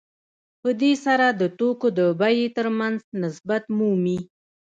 په دې سره د توکو د بیې ترمنځ نسبت مومي